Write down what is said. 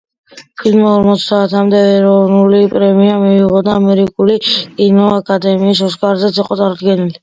ფილმმა ორმოცდაათამდე ეროვნული პრემია მიიღო და ამერიკული კინოაკადემიის ოსკარზეც იყო წარდგენილი.